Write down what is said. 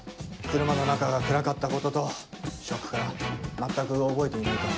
車の中が暗かったこととショックから全く覚えていないと。